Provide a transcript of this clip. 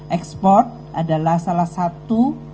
ekspor adalah salah satu